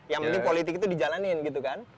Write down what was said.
yang penting politik itu di jalanin gitu kan